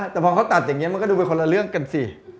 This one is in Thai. แต่พอเขาตัดอย่างนี้มันก็ดูเป็นคนละเรื่องกันสิ